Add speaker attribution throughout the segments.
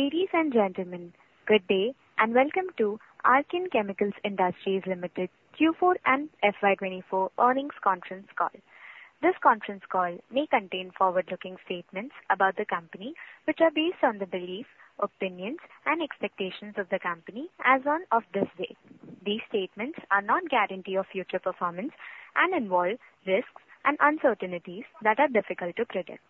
Speaker 1: Ladies and gentlemen, good day and welcome to Archean Chemical Industries Limited Q4 and FY24 earnings conference call. This conference call may contain forward-looking statements about the company which are based on the beliefs, opinions, and expectations of the company as of this day. These statements are not a guarantee of future performance and involve risks and uncertainties that are difficult to predict.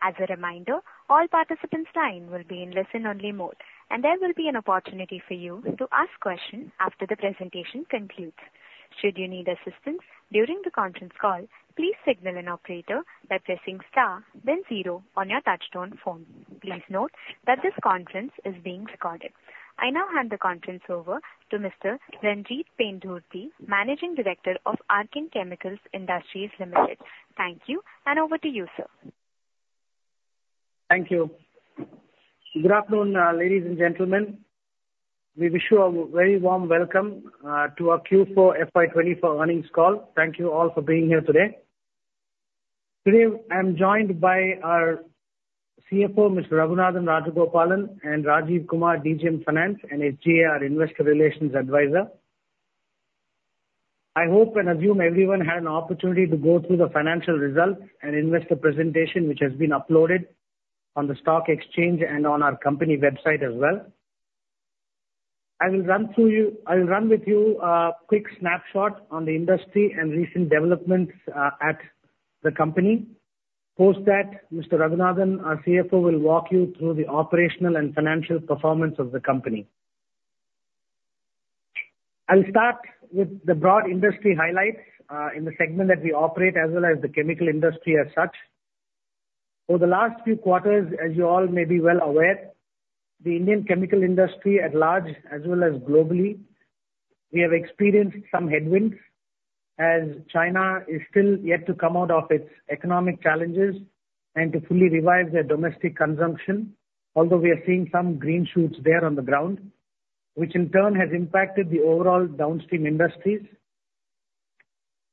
Speaker 1: As a reminder, all participants will be in listen-only mode and there will be an opportunity for you to ask questions after the presentation concludes. Should you need assistance during the conference call, please signal an operator by pressing star, then zero on your touch-tone phone. Please note that this conference is being recorded. I now hand the conference over to Mr. Ranjit Pendurthi, Managing Director of Archean Chemical Industries Limited. Thank you and over to you, sir.
Speaker 2: Thank you. Good afternoon, ladies and gentlemen. We wish you a very warm welcome to our Q4 FY24 earnings call. Thank you all for being here today. Today I'm joined by our CFO, Mr. Raghunathan Rajagopalan, and Rajeev Kumar, DGM Finance and our Investor Relations Advisor. I hope and assume everyone had an opportunity to go through the financial results and investor presentation which has been uploaded on the stock exchange and on our company website as well. I will run with you a quick snapshot on the industry and recent developments at the company. Post that, Mr. Raghunathan, our CFO, will walk you through the operational and financial performance of the company. I'll start with the broad industry highlights in the segment that we operate as well as the chemical industry as such. Over the last few quarters, as you all may be well aware, the Indian chemical industry at large as well as globally, we have experienced some headwinds as China is still yet to come out of its economic challenges and to fully revive their domestic consumption, although we are seeing some green shoots there on the ground which in turn has impacted the overall downstream industries.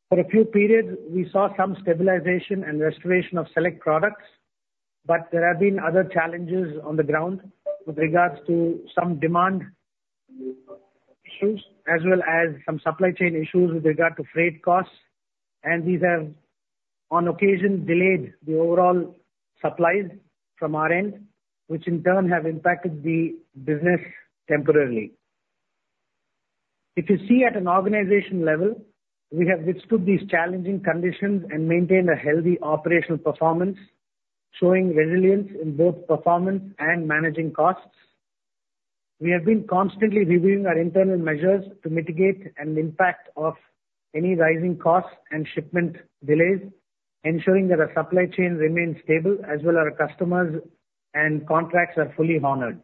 Speaker 2: For a few periods, we saw some stabilization and restoration of select products, but there have been other challenges on the ground with regards to some demand issues as well as some supply chain issues with regard to freight costs, and these have on occasion delayed the overall supplies from our end which in turn have impacted the business temporarily. If you see at an organization level, we have withstood these challenging conditions and maintained a healthy operational performance showing resilience in both performance and managing costs. We have been constantly reviewing our internal measures to mitigate an impact of any rising costs and shipment delays, ensuring that our supply chain remains stable as well as our customers and contracts are fully honored.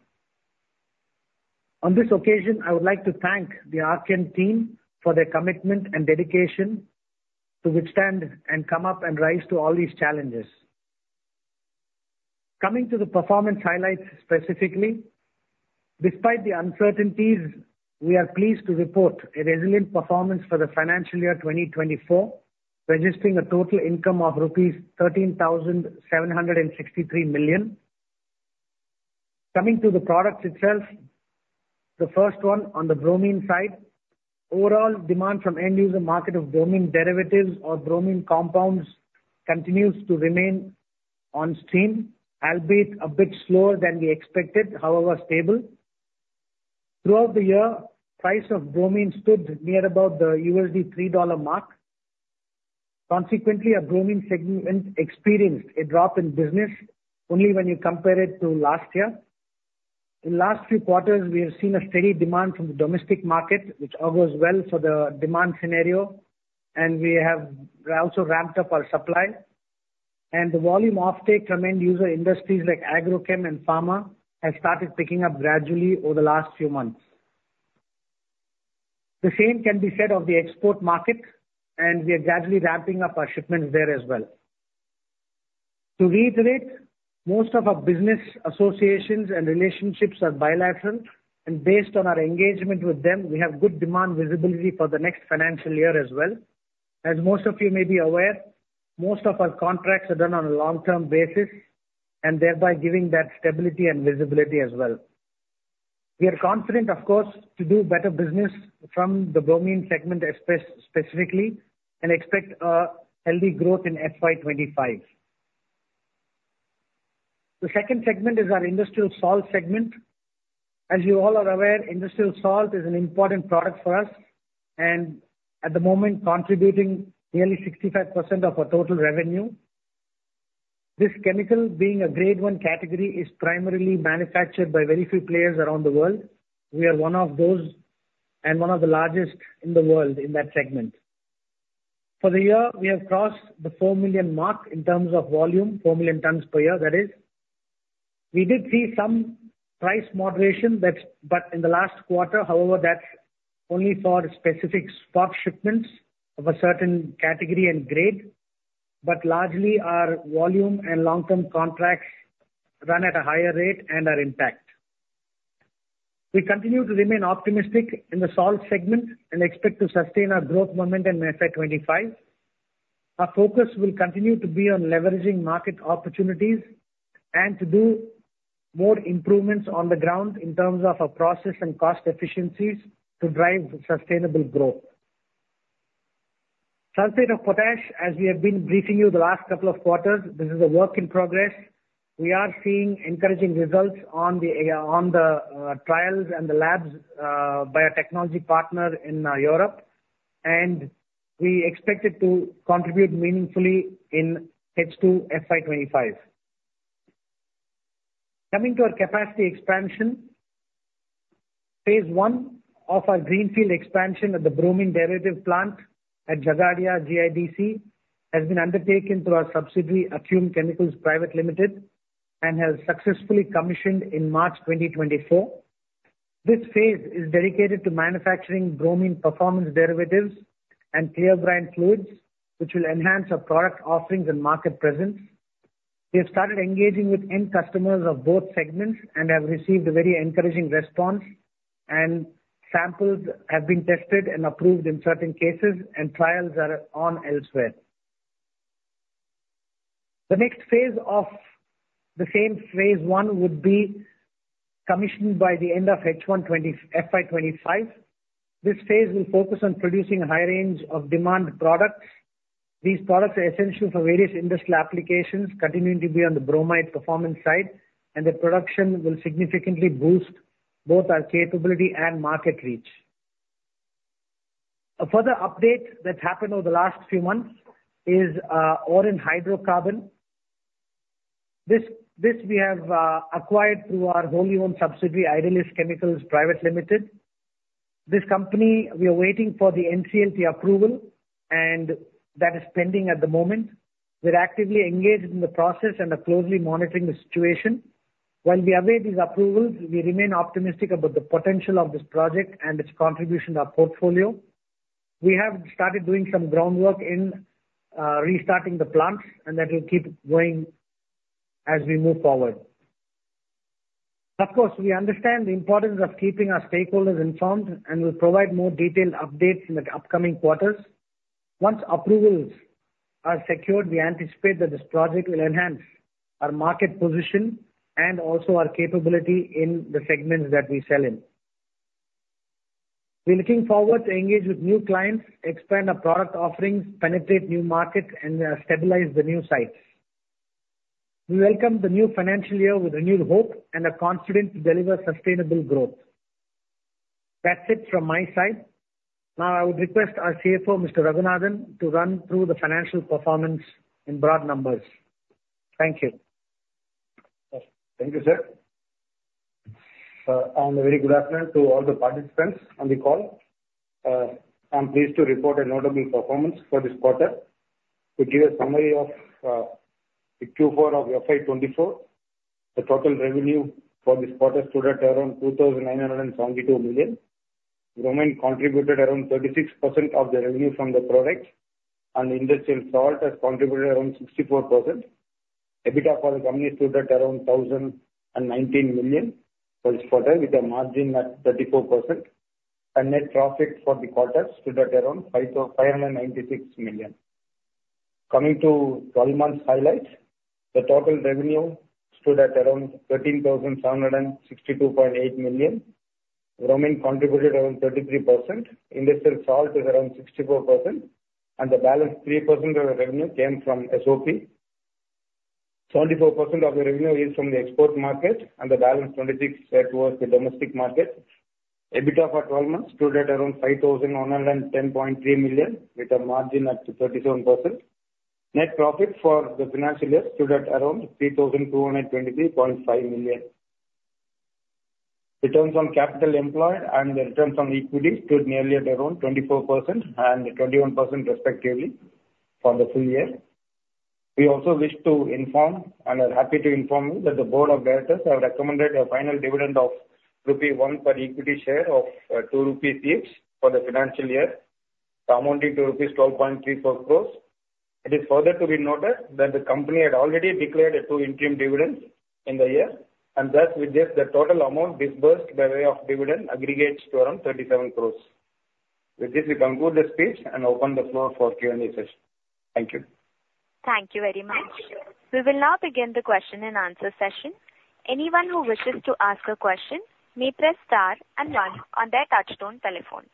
Speaker 2: On this occasion, I would like to thank the Archean team for their commitment and dedication to withstand and come up and rise to all these challenges. Coming to the performance highlights specifically, despite the uncertainties, we are pleased to report a resilient performance for the financial year 2024, registering a total income of rupees 13,763 million. Coming to the products itself, the first one on the bromine side, overall demand from end-user market of bromine derivatives or bromine compounds continues to remain on stream, albeit a bit slower than we expected, however stable. Throughout the year, price of bromine stood near about the $3 mark. Consequently, our bromine segment experienced a drop in business only when you compare it to last year. In the last few quarters, we have seen a steady demand from the domestic market which bodes well for the demand scenario, and we have also ramped up our supply. The volume offtake from end-user industries like agrochem and pharma has started picking up gradually over the last few months. The same can be said of the export market, and we are gradually ramping up our shipments there as well. To reiterate, most of our business associations and relationships are bilateral, and based on our engagement with them, we have good demand visibility for the next financial year as well. As most of you may be aware, most of our contracts are done on a long-term basis and thereby giving that stability and visibility as well. We are confident, of course, to do better business from the bromine segment specifically and expect a healthy growth in FY25. The second segment is our industrial salt segment. As you all are aware, industrial salt is an important product for us and at the moment contributing nearly 65% of our total revenue. This chemical, being a grade one category, is primarily manufactured by very few players around the world. We are one of those and one of the largest in the world in that segment. For the year, we have crossed the 4 million mark in terms of volume, 4 million tons per year, that is. We did see some price moderation, but in the last quarter, however, that's only for specific spot shipments of a certain category and grade. But largely, our volume and long-term contracts run at a higher rate and are intact. We continue to remain optimistic in the salt segment and expect to sustain our growth momentum in FY25. Our focus will continue to be on leveraging market opportunities and to do more improvements on the ground in terms of our process and cost efficiencies to drive sustainable growth. Sulfate of potassium, as we have been briefing you the last couple of quarters, this is a work in progress. We are seeing encouraging results on the trials and the labs by a technology partner in Europe, and we expect it to contribute meaningfully in H2 FY25. Coming to our capacity expansion, phase one of our greenfield expansion at the bromine derivative plant at Jhagadia, GIDC, has been undertaken through our subsidiary Acume Chemicals Private Limited and has successfully commissioned in March 2024. This phase is dedicated to manufacturing bromine performance derivatives and clear brine fluids which will enhance our product offerings and market presence. We have started engaging with end customers of both segments and have received a very encouraging response, and samples have been tested and approved in certain cases, and trials are on elsewhere. The next phase of the same phase one would be commissioned by the end of H1 FY25. This phase will focus on producing a high range of demand products. These products are essential for various industrial applications, continuing to be on the bromine performance side, and their production will significantly boost both our capability and market reach. A further update that happened over the last few months is Oren Hydrocarbons. This we have acquired through our wholly-owned subsidiary Idealis Chemicals Private Limited. This company, we are waiting for the NCLT approval, and that is pending at the moment. We're actively engaged in the process and are closely monitoring the situation. While we await these approvals, we remain optimistic about the potential of this project and its contribution to our portfolio. We have started doing some groundwork in restarting the plants, and that will keep going as we move forward. Of course, we understand the importance of keeping our stakeholders informed and will provide more detailed updates in the upcoming quarters. Once approvals are secured, we anticipate that this project will enhance our market position and also our capability in the segments that we sell in. We're looking forward to engage with new clients, expand our product offerings, penetrate new markets, and stabilize the new sites. We welcome the new financial year with renewed hope and are confident to deliver sustainable growth. That's it from my side. Now, I would request our CFO, Mr. Raghunathan, to run through the financial performance in broad numbers. Thank you.
Speaker 3: Thank you, sir. And a very good afternoon to all the participants on the call. I'm pleased to report a notable performance for this quarter. To give a summary of the Q4 of FY24, the total revenue for this quarter stood at around 2,972 million. Bromine contributed around 36% of the revenue from the product, and Industrial Salt has contributed around 64%. EBITDA for the company stood at around 1,019 million for this quarter with a margin at 34%, and net profit for the quarter stood at around 596 million. Coming to 12-month highlights, the total revenue stood at around 13,762.8 million. Bromine contributed around 33%. Industrial salt is around 64%, and the balanced 3% of the revenue came from SOP. 74% of the revenue is from the export market, and the balanced 26% towards the domestic market. EBITDA for 12 months stood at around 5,110.3 million with a margin at 37%. Net profit for the financial year stood at around 3,223.5 million. Returns on capital employed and the returns on equity stood nearly at around 24% and 21% respectively for the full year. We also wish to inform and are happy to inform you that the board of directors have recommended a final dividend of Rs. 1 per equity share of 2 rupees each for the financial year, amounting to rupees 12.34 crores. It is further to be noted that the company had already declared a two-interim dividend in the year, and thus with this, the total amount disbursed by way of dividend aggregates to around 37 crores. With this, we conclude the speech and open the floor for Q&A session. Thank you.
Speaker 1: Thank you very much. We will now begin the question-and-answer session. Anyone who wishes to ask a question may press star and one on their touch-tone telephone.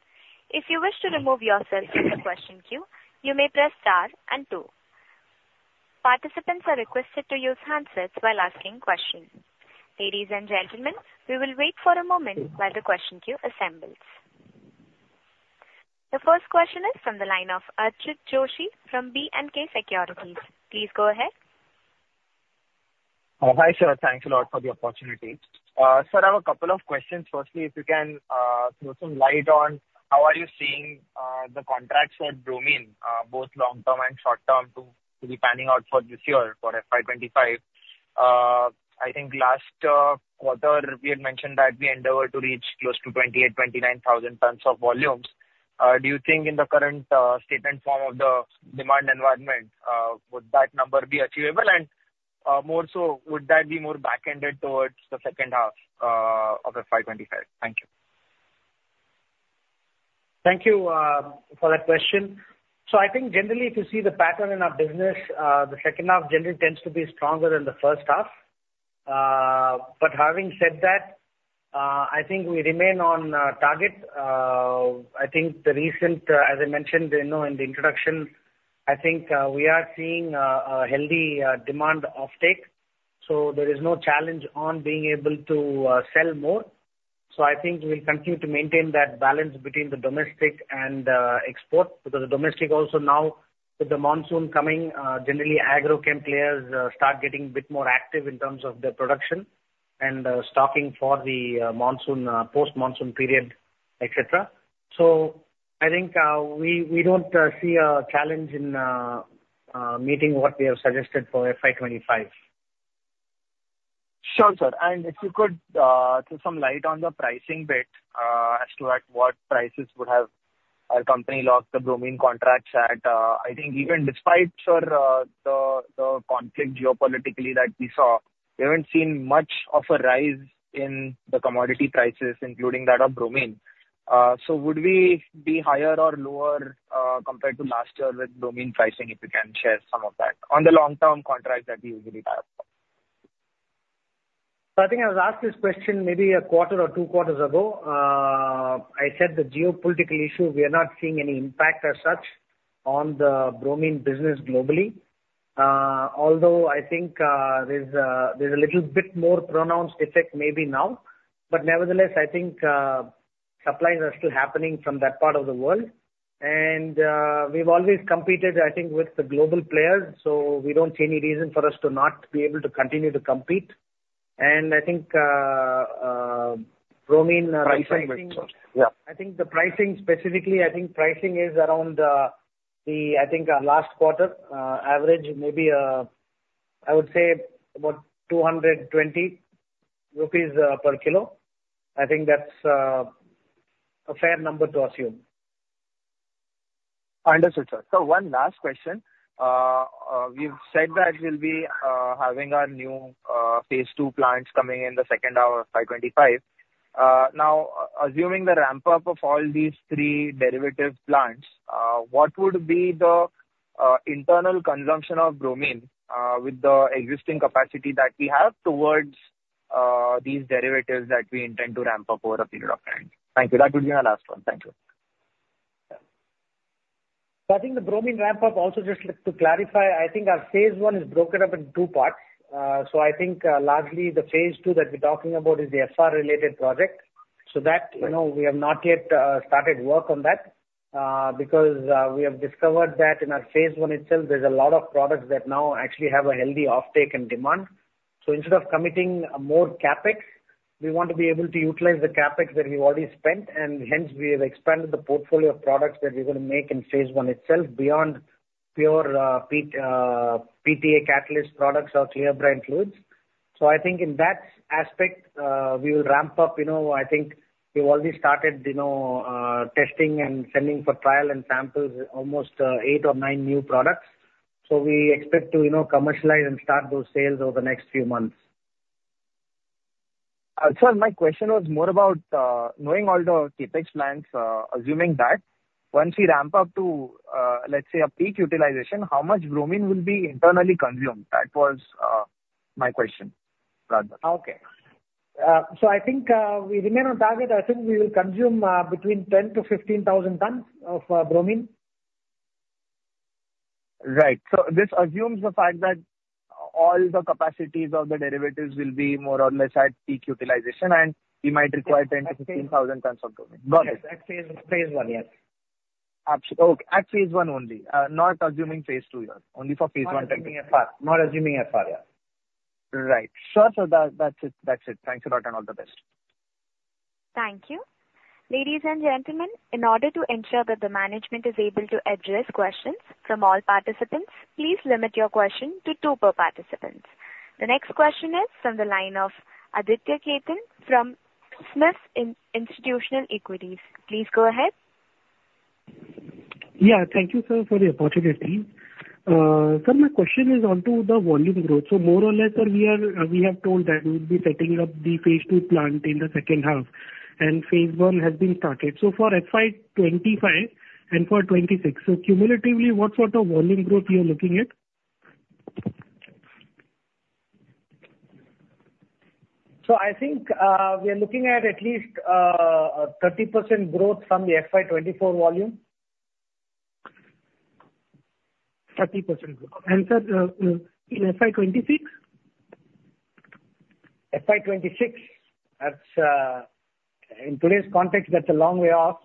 Speaker 1: If you wish to remove yourself from the question queue, you may press star and two. Participants are requested to use handsets while asking questions. Ladies and gentlemen, we will wait for a moment while the question queue assembles. The first question is from the line of Archit Joshi from B&K Securities. Please go ahead.
Speaker 4: Hi, sir. Thanks a lot for the opportunity. Sir, I have a couple of questions. Firstly, if you can throw some light on how are you seeing the contracts for bromine, both long-term and short-term, to be panning out for this year for FY25? I think last quarter we had mentioned that we endeavored to reach close to 28,000-29,000 tons of volumes. Do you think in the current statement form of the demand environment, would that number be achievable? And more so, would that be more back-ended towards the second half of FY25? Thank you.
Speaker 2: Thank you for that question. So I think generally, if you see the pattern in our business, the second half generally tends to be stronger than the first half. But having said that, I think we remain on target. I think the recent, as I mentioned in the introduction, I think we are seeing a healthy demand offtake. So there is no challenge on being able to sell more. So I think we'll continue to maintain that balance between the domestic and export because the domestic also now, with the monsoon coming, generally agrochem players start getting a bit more active in terms of their production and stocking for the monsoon, post-monsoon period, etc. So I think we don't see a challenge in meeting what we have suggested for FY25.
Speaker 4: Sure, sir. And if you could throw some light on the pricing bit as to at what prices would have our company locked the bromine contracts at? I think even despite, sir, the conflict geopolitically that we saw, we haven't seen much of a rise in the commodity prices, including that of bromine. So would we be higher or lower compared to last year with bromine pricing, if you can share some of that on the long-term contracts that we usually have?
Speaker 2: So I think I was asked this question maybe a quarter or two quarters ago. I said the geopolitical issue, we are not seeing any impact as such on the bromine business globally, although I think there's a little bit more pronounced effect maybe now. But nevertheless, I think supplies are still happening from that part of the world. And we've always competed, I think, with the global players. So we don't see any reason for us to not be able to continue to compete. And I think bromine pricing.
Speaker 4: Pricing, I think.
Speaker 2: Yeah. I think the pricing specifically, I think pricing is around the, I think, last quarter average, maybe I would say about 220 rupees per kilo. I think that's a fair number to assume.
Speaker 4: Understood, sir. So one last question. We've said that we'll be having our new phase two plants coming in the second half of FY25. Now, assuming the ramp-up of all these three derivative plants, what would be the internal consumption of bromine with the existing capacity that we have towards these derivatives that we intend to ramp up over a period of time? Thank you. That would be my last one. Thank you.
Speaker 2: So I think the bromine ramp-up also just to clarify, I think our phase one is broken up in two parts. So I think largely the phase two that we're talking about is the FR-related project. So we have not yet started work on that because we have discovered that in our phase one itself, there's a lot of products that now actually have a healthy offtake and demand. So instead of committing more CapEx, we want to be able to utilize the CapEx that we've already spent. And hence, we have expanded the portfolio of products that we're going to make in phase one itself beyond pure PTA catalyst products or clear brine fluids. So I think in that aspect, we will ramp up. I think we've already started testing and sending for trial and samples almost 8 or 9 new products. We expect to commercialize and start those sales over the next few months.
Speaker 4: Sir, my question was more about knowing all the CapEx plants, assuming that once we ramp up to, let's say, a peak utilization, how much bromine will be internally consumed? That was my question, Radha.
Speaker 2: Okay. So I think we remain on target. I think we will consume between 10,000-15,000 tons of bromine.
Speaker 4: Right. So this assumes the fact that all the capacities of the derivatives will be more or less at peak utilization, and we might require 10,000-15,000 tons of bromine. Got it.
Speaker 2: Yes. At phase one, yes.
Speaker 4: Okay. At phase one only, not assuming phase two. Yes, only for phase one technique.
Speaker 2: Not assuming FR. Not assuming FR, yes.
Speaker 4: Right. Sure, sir. That's it. That's it. Thanks a lot and all the best.
Speaker 1: Thank you. Ladies and gentlemen, in order to ensure that the management is able to address questions from all participants, please limit your question to two per participant. The next question is from the line of Aditya Khetan from SMIFS Institutional Equities. Please go ahead.
Speaker 5: Yeah. Thank you, sir, for the opportunity, Team. Sir, my question is onto the volume growth. So more or less, sir, we have told that we will be setting up the phase two plant in the second half, and phase one has been started. So for FY25 and for 2026, so cumulatively, what sort of volume growth you're looking at?
Speaker 3: I think we are looking at least 30% growth from the FY24 volume.
Speaker 5: 30% growth. And sir, in FY26?
Speaker 3: FY26, in today's context, that's a long way off.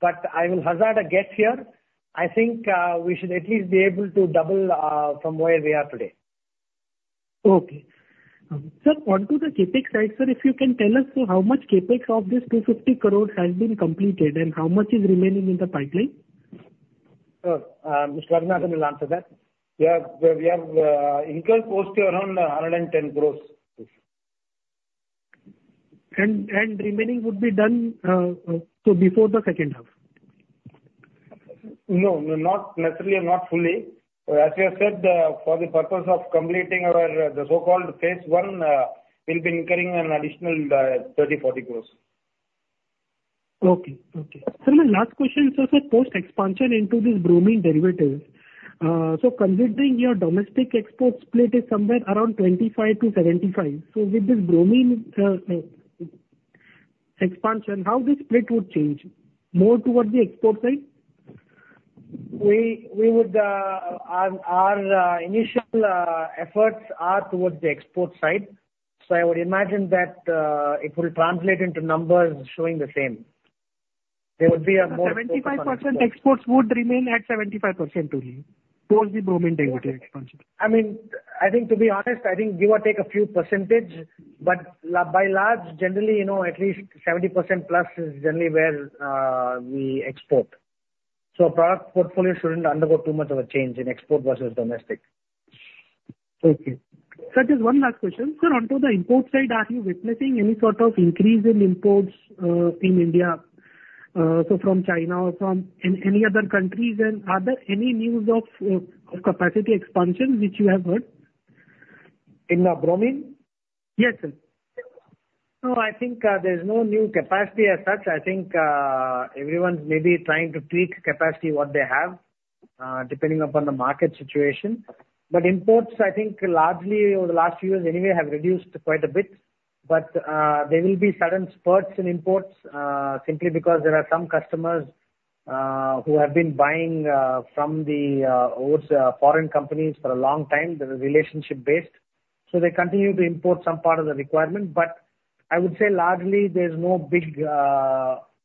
Speaker 3: But I will hazard a guess here. I think we should at least be able to double from where we are today.
Speaker 5: Okay. Sir, onto the CapEx side, sir, if you can tell us how much CapEx of this 250 crores has been completed and how much is remaining in the pipeline?
Speaker 2: Sir, Mr. Raghunathan will answer that. Yeah. We have incurred cost around INR 110 crores.
Speaker 5: Remaining would be done so before the second half?
Speaker 3: No, not necessarily or not fully. As we have said, for the purpose of completing the so-called phase one, we'll be incurring an additional 30-40 crores.
Speaker 5: Okay. Okay. Sir, my last question, sir, sir. Post-expansion into these bromine derivatives, so considering your domestic export split is somewhere around 25-75, so with this bromine expansion, how this split would change more towards the export side?
Speaker 3: Our initial efforts are towards the export side. So I would imagine that it will translate into numbers showing the same. There would be a more.
Speaker 5: 75% exports would remain at 75% only post the bromine derivative expansion?
Speaker 3: I mean, I think to be honest, I think give or take a few percentage. But by and large, generally, at least 70% plus is generally where we export. So product portfolio shouldn't undergo too much of a change in export versus domestic.
Speaker 5: Okay. Sir, just one last question. Sir, onto the import side, are you witnessing any sort of increase in imports in India, so from China or from any other countries? And are there any news of capacity expansion which you have heard?
Speaker 3: In bromine?
Speaker 5: Yes, sir.
Speaker 3: No, I think there's no new capacity as such. I think everyone's maybe trying to tweak capacity what they have depending upon the market situation. But imports, I think largely over the last few years anyway, have reduced quite a bit. But there will be sudden spurts in imports simply because there are some customers who have been buying from the foreign companies for a long time. They're relationship-based. So they continue to import some part of the requirement. But I would say largely, there's no big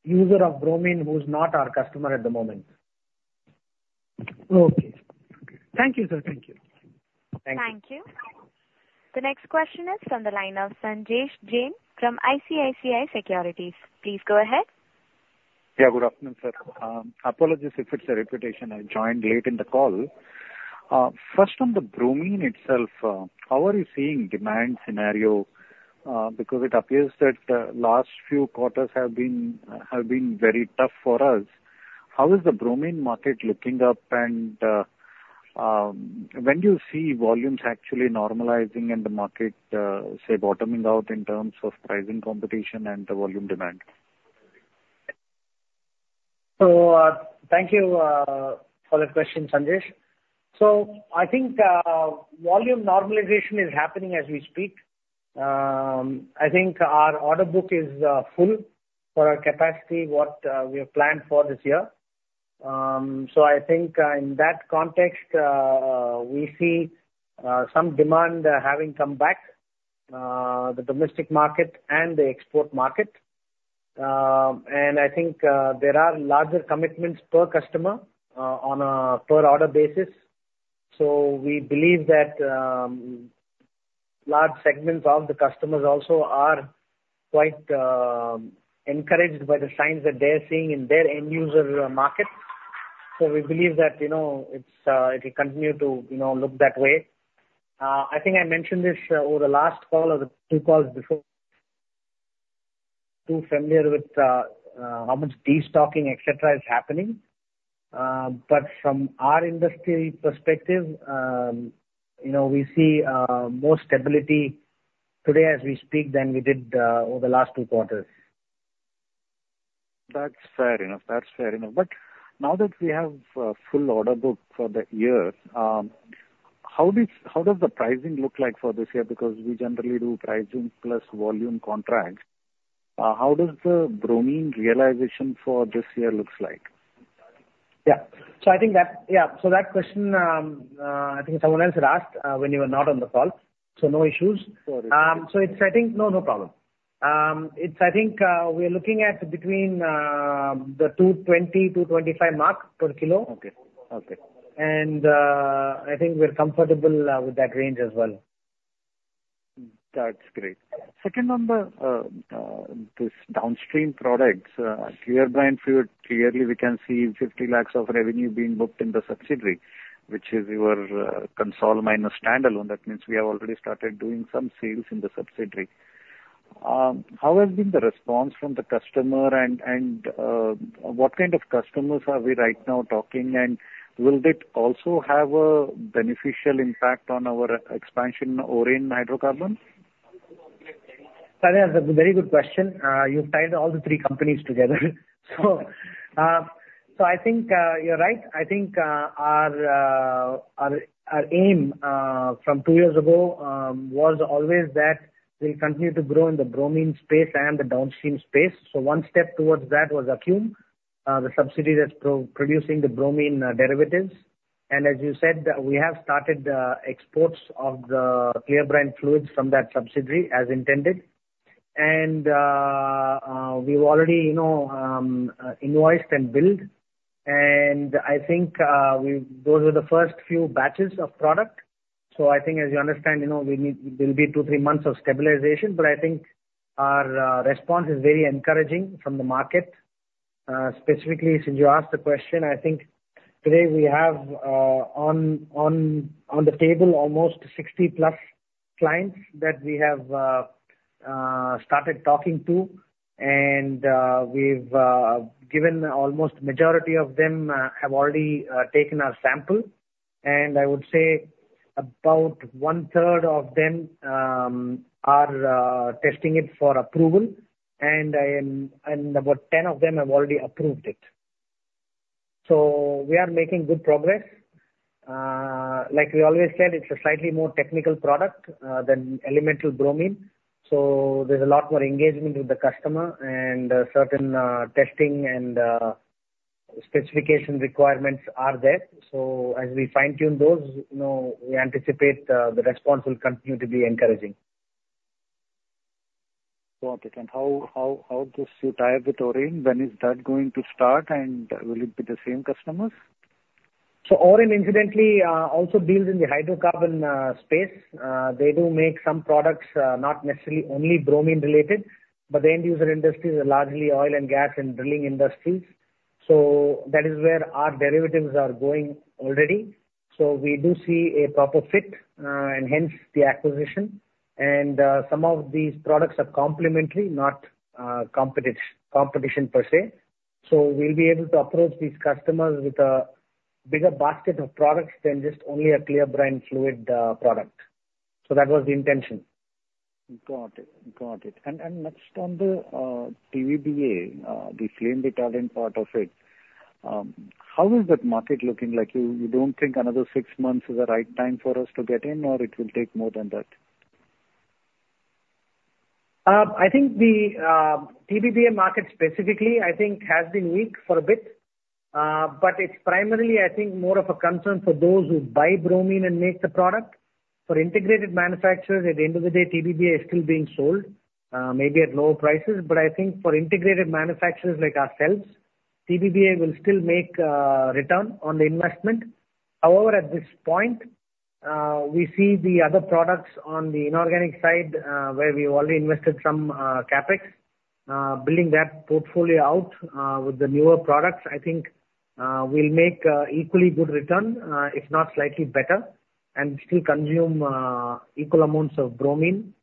Speaker 3: user of bromine who's not our customer at the moment.
Speaker 5: Okay. Thank you, sir. Thank you.
Speaker 3: Thank you.
Speaker 1: Thank you. The next question is from the line of Sanjesh Jain from ICICI Securities. Please go ahead.
Speaker 6: Yeah. Good afternoon, sir. Apologies if it's a repetition. I joined late in the call. First, on the bromine itself, how are you seeing demand scenario? Because it appears that the last few quarters have been very tough for us. How is the bromine market looking up? And when do you see volumes actually normalizing and the market, say, bottoming out in terms of pricing competition and the volume demand?
Speaker 2: So thank you for that question, Ranjit. So I think volume normalization is happening as we speak. I think our order book is full for our capacity, what we have planned for this year. So I think in that context, we see some demand having come back, the domestic market and the export market. And I think there are larger commitments per customer on a per-order basis. So we believe that large segments of the customers also are quite encouraged by the signs that they are seeing in their end-user market. So we believe that it will continue to look that way. I think I mentioned this over the last call or the two calls before. Too familiar with how much destocking, etc., is happening. But from our industry perspective, we see more stability today as we speak than we did over the last two quarters.
Speaker 6: That's fair enough. That's fair enough. But now that we have a full order book for the year, how does the pricing look like for this year? Because we generally do pricing plus volume contracts. How does the bromine realization for this year look like?
Speaker 2: Yeah. So I think that. So that question, I think someone else had asked when you were not on the call. So no issues. So it's, I think no problem. It's, I think we are looking at between 220-225 mark per kilo. And I think we're comfortable with that range as well.
Speaker 6: That's great. Second on the downstream products, clear brine fluid, clearly we can see 50 lakh of revenue being booked in the subsidiary, which is your consolidated minus standalone. That means we have already started doing some sales in the subsidiary. How has been the response from the customer? And what kind of customers are we right now talking? And will it also have a beneficial impact on our expansion in Oren Hydrocarbons?
Speaker 2: Sir, that's a very good question. You've tied all the three companies together. So I think you're right. I think our aim from two years ago was always that we'll continue to grow in the bromine space and the downstream space. So one step towards that was Acume, the subsidiary that's producing the bromine derivatives. And as you said, we have started exports of the clear brine fluids from that subsidiary as intended. And we've already invoiced and billed. And I think those were the first few batches of product. So I think as you understand, there'll be two, three months of stabilization. But I think our response is very encouraging from the market, specifically since you asked the question. I think today we have on the table almost 60+ clients that we have started talking to. And we've given almost the majority of them have already taken our sample. And I would say about one-third of them are testing it for approval. And about 10 of them have already approved it. So we are making good progress. Like we always said, it's a slightly more technical product than elemental bromine. So there's a lot more engagement with the customer. And certain testing and specification requirements are there. So as we fine-tune those, we anticipate the response will continue to be encouraging.
Speaker 6: Got it. And how does your tie up with Oren? When is that going to start? And will it be the same customers?
Speaker 2: So Oren, incidentally, also deals in the hydrocarbon space. They do make some products, not necessarily only bromine-related. But the end-user industry is largely oil and gas and drilling industries. So that is where our derivatives are going already. So we do see a proper fit and hence the acquisition. And some of these products are complementary, not competition per se. So we'll be able to approach these customers with a bigger basket of products than just only a Clear Brine Fluid product. So that was the intention.
Speaker 6: Got it. Got it. Next on the TBBPA, the flame retardant part of it, how is that market looking like? You don't think another six months is the right time for us to get in, or it will take more than that?
Speaker 2: I think the TBBPA market specifically, I think, has been weak for a bit. But it's primarily, I think, more of a concern for those who buy bromine and make the product. For integrated manufacturers, at the end of the day, TBBPA is still being sold maybe at lower prices. But I think for integrated manufacturers like ourselves, TBBPA will still make a return on the investment. However, at this point, we see the other products on the inorganic side where we've already invested some CapEx, building that portfolio out with the newer products, I think will make an equally good return, if not slightly better, and still consume equal amounts of bromine.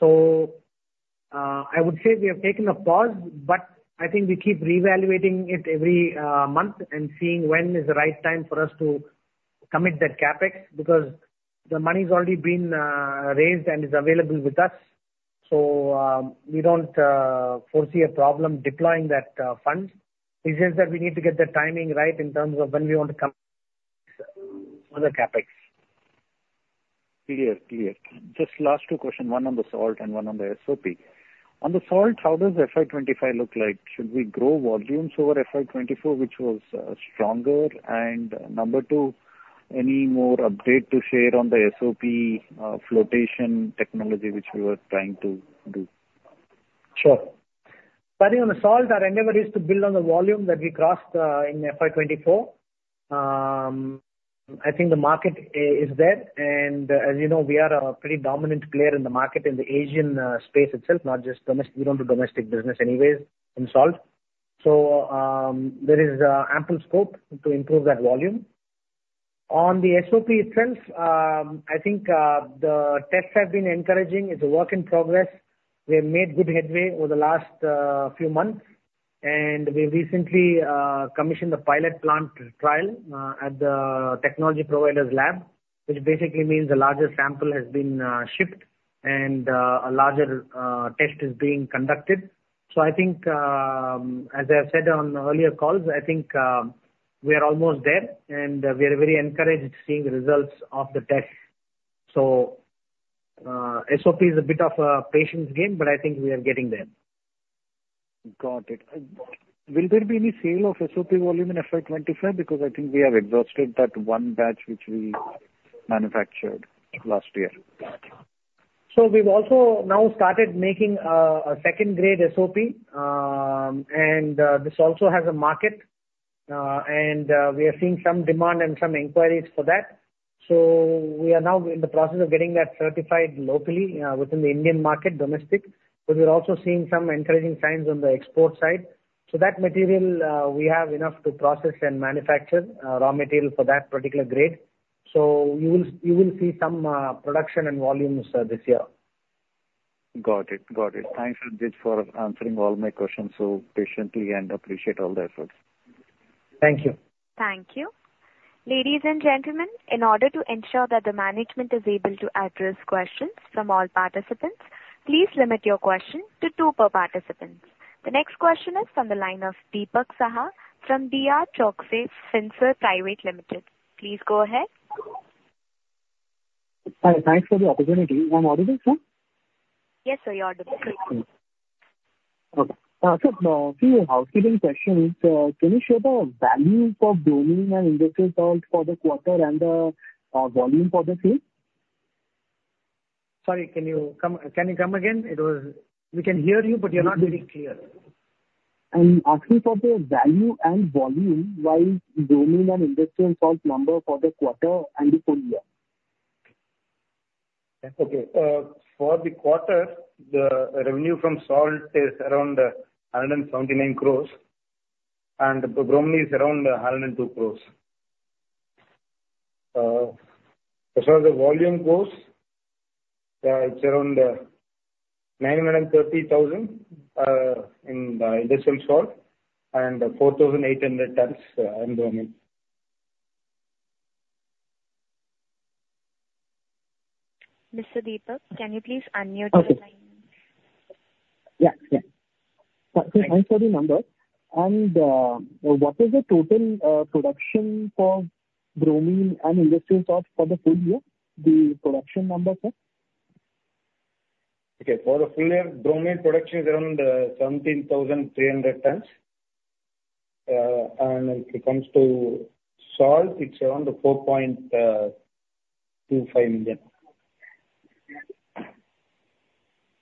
Speaker 2: So I would say we have taken a pause. But I think we keep reevaluating it every month and seeing when is the right time for us to commit that CapEx because the money's already been raised and is available with us. So we don't foresee a problem deploying that fund. It's just that we need to get the timing right in terms of when we want to come for the CapEx.
Speaker 6: Clear. Clear. Just last two questions, one on the salt and one on the SOP. On the salt, how does FY25 look like? Should we grow volumes over FY24, which was stronger? And number two, any more update to share on the SOP flotation technology, which we were trying to do?
Speaker 2: Sure. Sir, on the salt, our endeavor is to build on the volume that we crossed in FY24. I think the market is there. As you know, we are a pretty dominant player in the market in the Asian space itself, not just domestic. We don't do domestic business anyways in salt. So there is ample scope to improve that volume. On the SOP itself, I think the tests have been encouraging. It's a work in progress. We have made good headway over the last few months. We've recently commissioned a pilot plant trial at the technology provider's lab, which basically means the largest sample has been shipped and a larger test is being conducted. So I think, as I have said on earlier calls, I think we are almost there. We are very encouraged seeing the results of the tests. SOP is a bit of a patience game. I think we are getting there.
Speaker 6: Got it. Will there be any sale of SOP volume in FY25? Because I think we have exhausted that one batch which we manufactured last year.
Speaker 2: So we've also now started making a second-grade SOP. This also has a market. We are seeing some demand and some inquiries for that. So we are now in the process of getting that certified locally within the Indian market, domestic. But we're also seeing some encouraging signs on the export side. So that material, we have enough to process and manufacture raw material for that particular grade. So you will see some production and volumes this year.
Speaker 6: Got it. Got it. Thanks, Sanjesh, for answering all my questions so patiently and appreciate all the efforts.
Speaker 2: Thank you.
Speaker 1: Thank you. Ladies and gentlemen, in order to ensure that the management is able to address questions from all participants, please limit your question to two per participant. The next question is from the line of Deepak Shah from D.R. Choksey Finserv Private Limited. Please go ahead.
Speaker 7: Hi. Thanks for the opportunity. Am I audible, sir?
Speaker 1: Yes, sir. You're audible.
Speaker 7: Okay. Sir, a few housekeeping questions. Can you share the value for bromine and industrial salt for the quarter and the volume for the field?
Speaker 2: Sorry. Can you come again? We can hear you, but you're not very clear.
Speaker 7: I'm asking for the value and volume wise bromine and industrial salt number for the quarter and the full year?
Speaker 8: Okay. For the quarter, the revenue from salt is around 179 crores. Bromine is around 102 crores. As far as the volume goes, it's around 930,000 in industrial salt and 4,800 tons in bromine.
Speaker 1: Mr. Deepak, can you please unmute your line?
Speaker 7: Yes. Yes. Sir, thanks for the number. And what is the total production for bromine and industrial salt for the full year, the production number, sir?
Speaker 8: Okay. For the full year, bromine production is around 17,300 tons. If it comes to salt, it's around 4.25 million.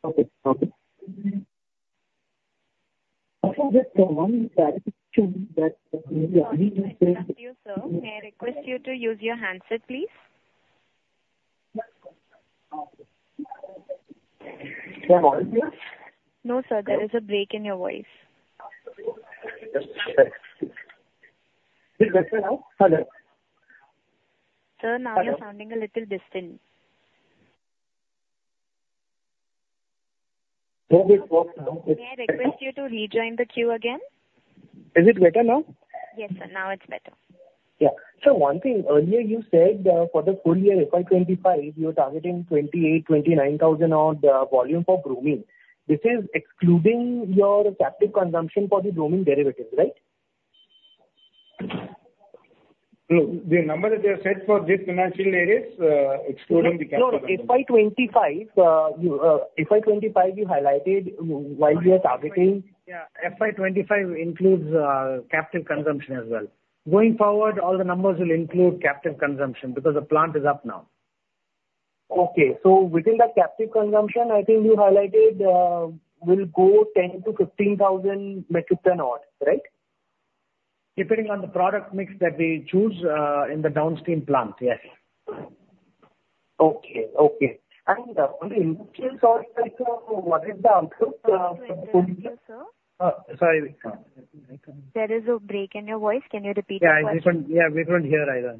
Speaker 7: Okay. Okay. One clarification that maybe I need to say.
Speaker 1: Thank you, sir. May I request you to use your handset, please?
Speaker 8: Is there an audience?
Speaker 1: No, sir. There is a break in your voice.
Speaker 7: Is it better now?
Speaker 1: Sir, now you're sounding a little distant.
Speaker 7: Good work now.
Speaker 1: May I request you to rejoin the queue again?
Speaker 7: Is it better now?
Speaker 1: Yes, sir. Now it's better.
Speaker 7: Yeah. Sir, one thing. Earlier, you said for the full year, FY25, you're targeting 28,000-29,000 odd volume for bromine. This is excluding your captive consumption for the bromine derivatives, right?
Speaker 8: No. The number that you have said for this financial year is excluding the captive consumption.
Speaker 7: No, no. FY25, you highlighted while you were targeting.
Speaker 8: Yeah. FY25 includes captive consumption as well. Going forward, all the numbers will include captive consumption because the plant is up now.
Speaker 7: Okay. So within that captive consumption, I think you highlighted will go 10,000-15,000 metric tons odd, right? Depending on the product mix that we choose in the downstream plant, yes. Okay. Okay. And on the industrial salt, what is the output for the full year?
Speaker 1: Yes, sir.
Speaker 8: Sorry.
Speaker 1: There is a break in your voice. Can you repeat the question?
Speaker 8: Yeah. We couldn't hear either.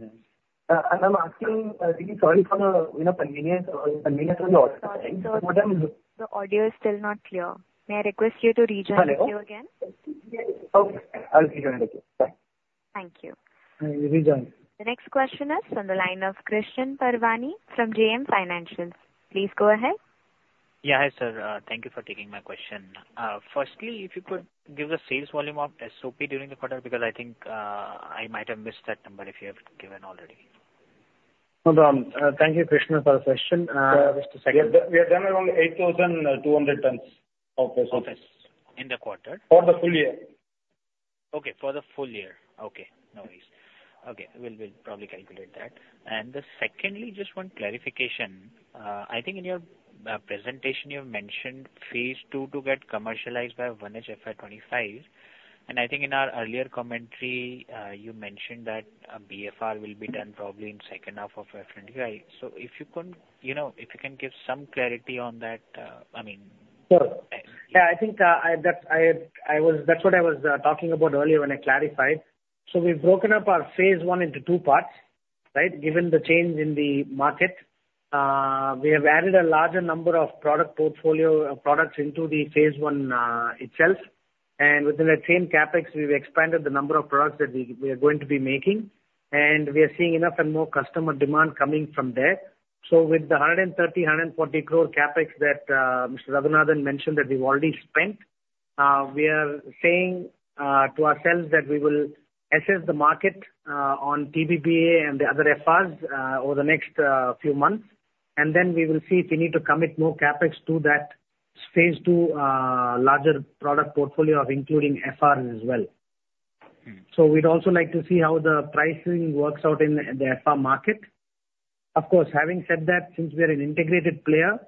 Speaker 7: I'm asking. Sorry for the inconvenience of the audio.
Speaker 1: The audio is still not clear. May I request you to rejoin the queue again?
Speaker 7: Okay. I'll rejoin the queue. Bye.
Speaker 1: Thank you.
Speaker 8: Rejoin.
Speaker 1: The next question is from the line of Krishan Parwani from JM Financial. Please go ahead.
Speaker 9: Yeah. Hi, sir. Thank you for taking my question. Firstly, if you could give the sales volume of SOP during the quarter because I think I might have missed that number if you have given already.
Speaker 2: Thank you, Krishan, for the question.
Speaker 8: We have done around 8,200 tons of SOP.
Speaker 9: Of SOP in the quarter?
Speaker 8: For the full year.
Speaker 9: Okay. For the full year. Okay. No worries. Okay. We'll probably calculate that. And secondly, just one clarification. I think in your presentation, you mentioned phase two to get commercialized by 1H FY25. And I think in our earlier commentary, you mentioned that a BFR will be done probably in the second half of FY25. So if you can give some clarity on that, I mean.
Speaker 2: Sure. Yeah. I think that's what I was talking about earlier when I clarified. So we've broken up our phase one into two parts, right, given the change in the market. We have added a larger number of product portfolio products into the phase one itself. And within that same CapEx, we've expanded the number of products that we are going to be making. And we are seeing enough and more customer demand coming from there. So with the 130 crore-140 crore CapEx that Mr. Raghunathan mentioned that we've already spent, we are saying to ourselves that we will assess the market on TBBPA and the other FRs over the next few months. And then we will see if we need to commit more CapEx to that phase two larger product portfolio of including FRs as well. We'd also like to see how the pricing works out in the FR market. Of course, having said that, since we are an integrated player,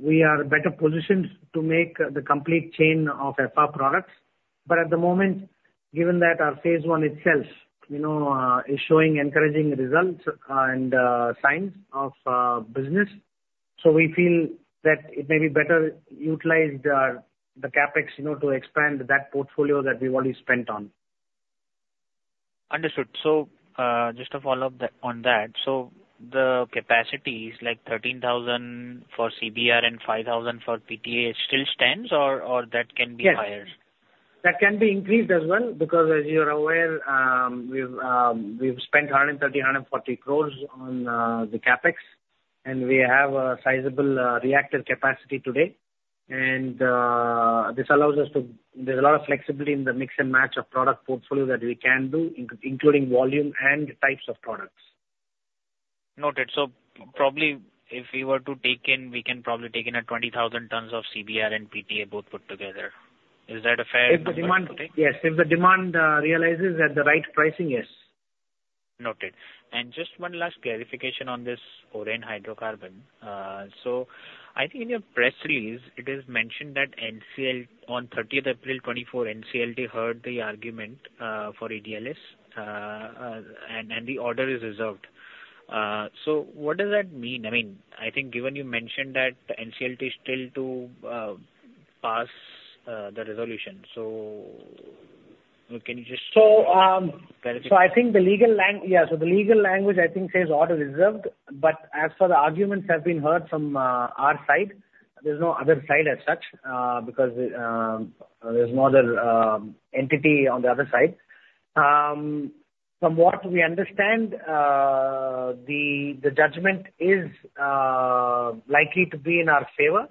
Speaker 2: we are better positioned to make the complete chain of FR products. But at the moment, given that our phase one itself is showing encouraging results and signs of business, so we feel that it may be better utilized the CapEx to expand that portfolio that we've already spent on.
Speaker 9: Understood. So just to follow up on that, so the capacity is like 13,000 for CBF and 5,000 for PTA. It still stands, or that can be higher?
Speaker 2: Yes. That can be increased as well because, as you are aware, we've spent 130-140 crores on the CapEx. We have a sizable reactor capacity today. This allows us to. There's a lot of flexibility in the mix and match of product portfolio that we can do, including volume and types of products.
Speaker 9: Noted. So probably if we were to take in, we can probably take in at 20,000 tons of CBF and PTA both put together. Is that a fair number today?
Speaker 2: Yes. If the demand realizes at the right pricing, yes.
Speaker 9: Noted. Just one last clarification on this Oren Hydrocarbons. I think in your press release, it is mentioned that on 30th April 2024, NCLT heard the argument for Oren's. And the order is reserved. So what does that mean? I mean, I think given you mentioned that NCLT is still to pass the resolution. Can you just clarify?
Speaker 2: So I think the legal language, yeah. So the legal language, I think, says order reserved. But as for the arguments that have been heard from our side, there's no other side as such because there's no other entity on the other side. From what we understand, the judgment is likely to be in our favor.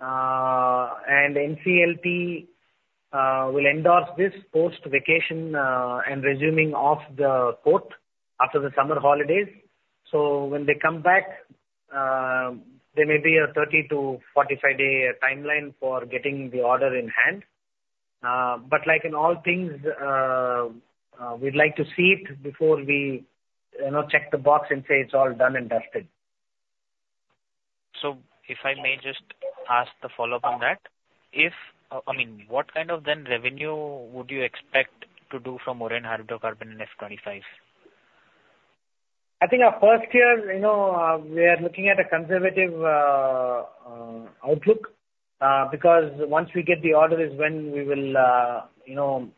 Speaker 2: And NCLT will endorse this post-vacation and resuming of the court after the summer holidays. So when they come back, there may be a 30-45-day timeline for getting the order in hand. But like in all things, we'd like to see it before we check the box and say it's all done and dusted.
Speaker 9: If I may just ask the follow-up on that, I mean, what kind of then revenue would you expect to do from Oren Hydrocarbons in FY25?
Speaker 2: I think our first year, we are looking at a conservative outlook because once we get the order is when we will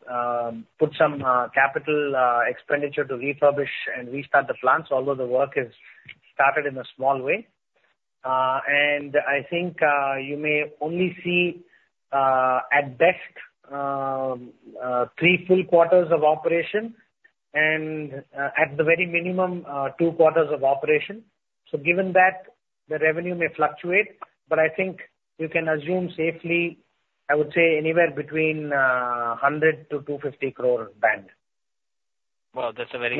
Speaker 2: put some capital expenditure to refurbish and restart the plants, although the work is started in a small way. I think you may only see, at best, three full quarters of operation and at the very minimum, two quarters of operation. Given that, the revenue may fluctuate. I think you can assume safely, I would say, anywhere between 100 crore-250 crore band.
Speaker 9: Well, that's a very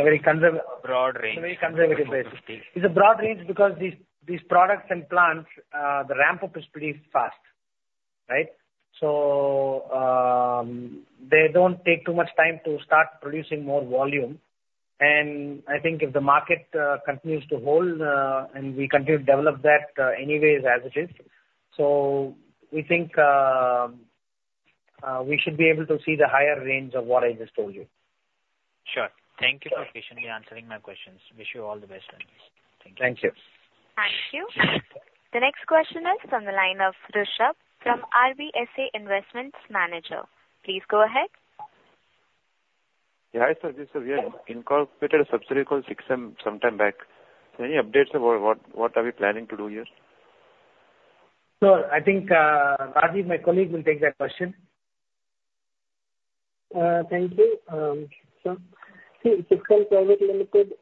Speaker 9: broad range.
Speaker 2: It's a very conservative basis. It's a broad range because these products and plants, the ramp-up is pretty fast, right? So they don't take too much time to start producing more volume. And I think if the market continues to hold and we continue to develop that anyways as it is, so we think we should be able to see the higher range of what I just told you.
Speaker 9: Sure. Thank you for patiently answering my questions. Wish you all the best, then. Thank you.
Speaker 2: Thank you.
Speaker 1: Thank you. The next question is from the line of Rishabh from RBSA Investment Managers. Please go ahead.
Speaker 10: Yeah. Hi, sir. This is Yash. Incorporated subsidiary called SiCSem sometime back. Any updates about what are we planning to do here?
Speaker 2: Sir, I think Rajeev, my colleague, will take that question.
Speaker 11: Thank you, sir. See, SiCSem Private Limited,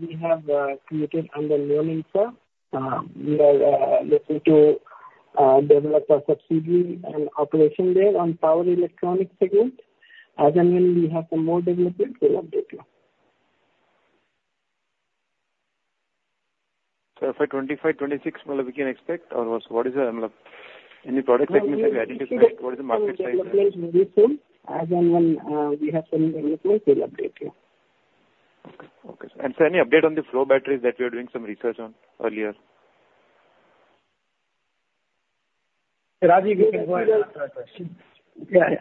Speaker 11: we have committed under Nirmal Sir. We are looking to develop a subsidiary and operation there on power electronics segment. As and when we have some more development, we'll update you.
Speaker 10: FY25, FY26, I mean, we can expect or what is the I mean, any product segments that we are adding to? What is the market size?
Speaker 11: Some development very soon. As and when we have some development, we'll update you.
Speaker 10: Okay. Okay, sir. Sir, any update on the flow batteries that we are doing some research on earlier?
Speaker 2: Rajeev, you can go ahead and ask that question.
Speaker 11: Yeah. Yeah.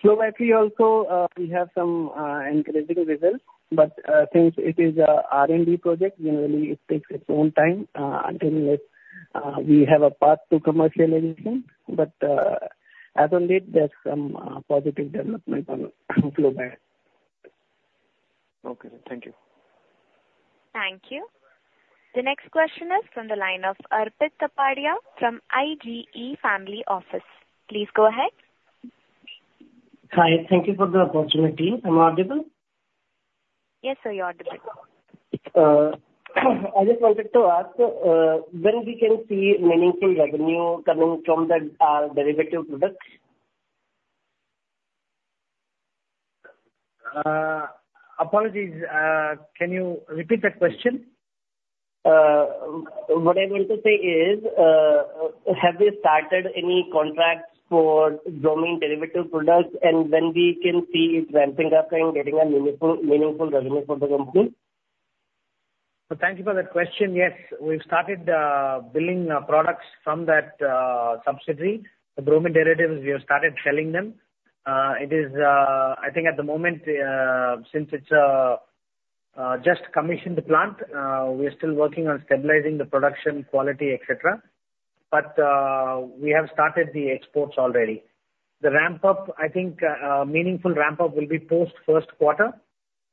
Speaker 11: Flow battery also, we have some encouraging results. But since it is an R&D project, generally, it takes its own time until we have a path to commercialization. But as of date, there's some positive development on flow batteries.
Speaker 10: Okay. Thank you.
Speaker 1: Thank you. The next question is from the line of Arpit Tapadia from IGE Family Office. Please go ahead.
Speaker 12: Hi. Thank you for the opportunity. I'm audible?
Speaker 1: Yes, sir. You're audible.
Speaker 12: I just wanted to ask when we can see meaningful revenue coming from our derivative products?
Speaker 2: Apologies. Can you repeat that question?
Speaker 12: What I want to say is, have we started any contracts for Bromine derivative products and when we can see it ramping up and getting a meaningful revenue for the company?
Speaker 2: So thank you for that question. Yes. We've started billing products from that subsidiary. The bromine derivatives, we have started selling them. I think at the moment, since it's just commissioned plant, we are still working on stabilizing the production, quality, etc. But we have started the exports already. I think meaningful ramp-up will be post-first quarter.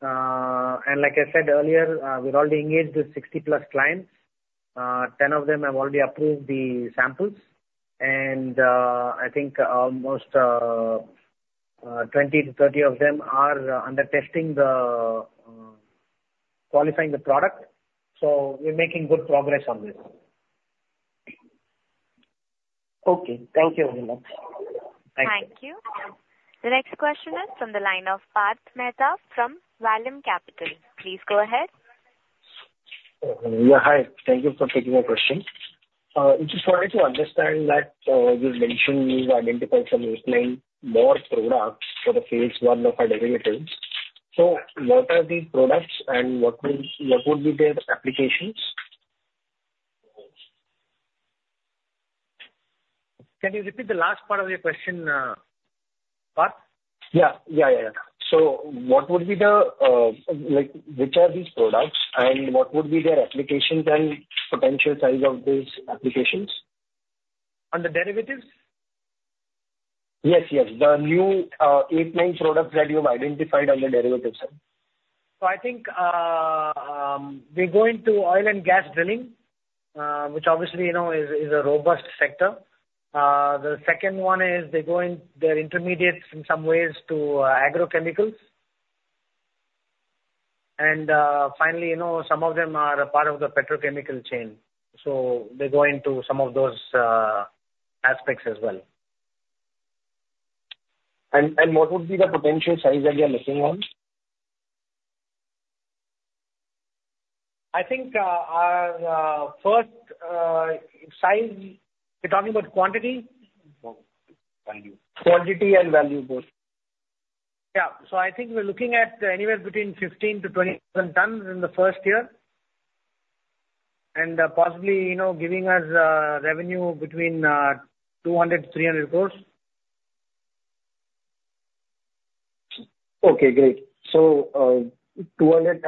Speaker 2: And like I said earlier, we're already engaged with 60+ clients. 10 of them have already approved the samples. And I think almost 20-30 of them are under-testing, qualifying the product. So we're making good progress on this.
Speaker 12: Okay. Thank you very much.
Speaker 2: Thank you.
Speaker 1: Thank you. The next question is from the line of Parth Mehta from Vallum Capital. Please go ahead.
Speaker 13: Yeah. Hi. Thank you for taking my question. I just wanted to understand that you mentioned you've identified some more products for the phase one of our derivatives. So what are these products, and what would be their applications?
Speaker 2: Can you repeat the last part of your question, Parth?
Speaker 13: So what would be the which are these products, and what would be their applications and potential size of these applications?
Speaker 2: On the derivatives?
Speaker 13: Yes. Yes. The new 8-line products that you've identified on the derivatives, sir.
Speaker 2: I think we're going to oil and gas drilling, which obviously is a robust sector. The second one is they're going; they're intermediate in some ways to agrochemicals. Finally, some of them are a part of the petrochemical chain. They're going to some of those aspects as well.
Speaker 13: What would be the potential size that you're looking on?
Speaker 2: I think our first size you're talking about quantity?
Speaker 13: Quantity.
Speaker 2: Quantity and value both. Yeah. So I think we're looking at anywhere between 15,000-20,000 tons in the first year and possibly giving us revenue between 200 crore-300 crore.
Speaker 13: Okay. Great. So, 200.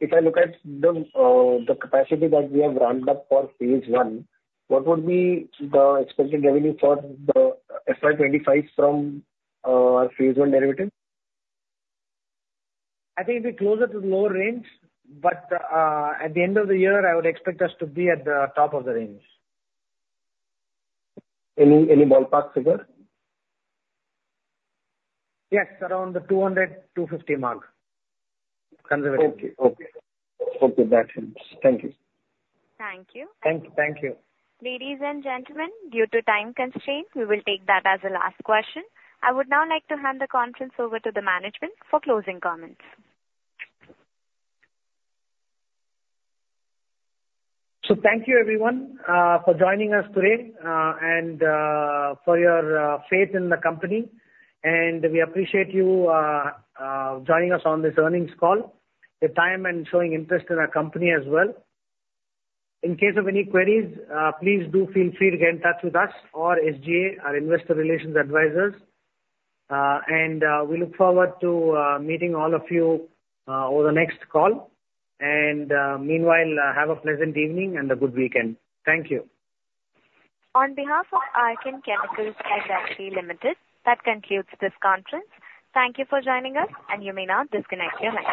Speaker 13: If I look at the capacity that we have ramped up for phase one, what would be the expected revenue for the FY25 from our phase one derivative?
Speaker 2: I think it'll be closer to the lower range. But at the end of the year, I would expect us to be at the top of the range.
Speaker 13: Any ballpark figure?
Speaker 2: Yes. Around the 200-250 mark, conservatively.
Speaker 13: Okay. Okay. Okay. That helps. Thank you.
Speaker 1: Thank you.
Speaker 2: Thank you.
Speaker 1: Ladies and gentlemen, due to time constraints, we will take that as a last question. I would now like to hand the conference over to the management for closing comments.
Speaker 2: Thank you, everyone, for joining us today and for your faith in the company. We appreciate you joining us on this earnings call, your time, and showing interest in our company as well. In case of any queries, please do feel free to get in touch with us or SGA, our investor relations advisors. We look forward to meeting all of you over the next call. Meanwhile, have a pleasant evening and a good weekend. Thank you.
Speaker 1: On behalf of Archean Chemical Industries Limited, that concludes this conference. Thank you for joining us, and you may now disconnect your line.